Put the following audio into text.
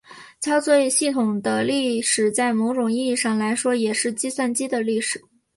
操作系统的历史在某种意义上来说也是计算机的历史。